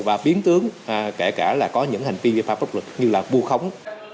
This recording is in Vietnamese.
và biến tướng kể cả là có những hành vi vi phạm pháp luật như là bu khống